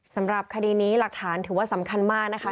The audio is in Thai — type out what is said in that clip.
สำหรับคดีนี้หลักฐานถือว่าสำคัญมากนะคะ